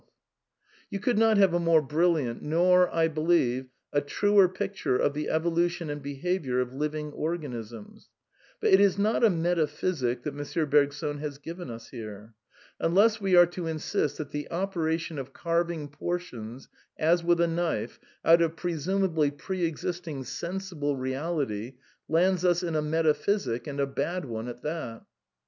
\ You could not have a more brilliant, nor, I believe, a \ truer picture of the evolution and behaviour of living or i ganisms. 'But JL is not a^me taphysi c that M. Bergson has given us here. Unless we are to insist that the opera tion of carving portions, as with a knife, out of presum ably pre existing " sensible reality " lands us in a meta physic, and a bad one at that.